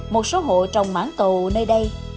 một số hộ trồng mãn cầu nơi đây